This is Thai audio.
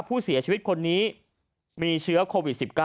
ผู้เสียชีวิตคนนี้มีเชื้อโควิด๑๙